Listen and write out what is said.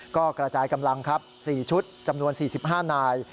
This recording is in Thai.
ก็กระจายกำลังครับ๔ชุดจำนวน๔๕นาย